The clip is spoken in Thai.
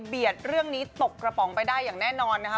เรื่องนี้ตกกระป๋องไปได้อย่างแน่นอนนะคะ